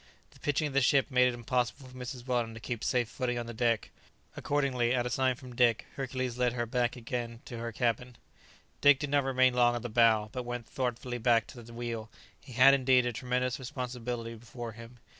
The pitching of the ship made it impossible for Mrs. Weldon to keep safe footing on the deck; accordingly, at a sign from Dick, Hercules led her back again to her cabin. Dick did not remain long at the bow, but went thoughtfully back to the wheel. He had, indeed, a tremendous responsibility before him.